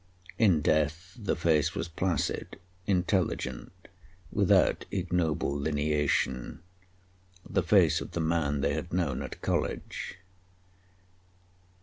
In death the face was placid, intelligent, without ignoble lineation the face of the man they had known at college.